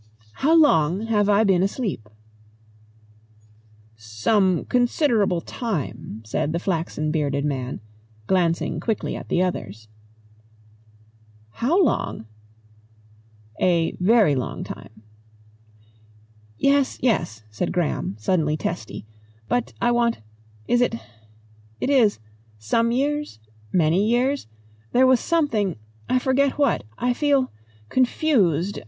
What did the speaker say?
"How long have I been asleep?" "Some considerable time," said the flaxen bearded man, glancing quickly at the others. "How long?" "A very long time." "Yes yes," said Graham, suddenly testy. "But I want Is it it is some years? Many years? There was something I forget what. I feel confused.